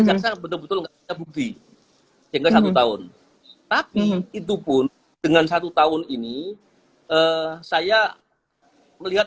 jaksa yang betul betul bukti hingga satu tahun tapi itupun dengan satu tahun ini saya melihat